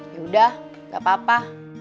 yaudah gak apa apa